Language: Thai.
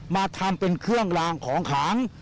มาทำเป็นเครื่องลางของขัง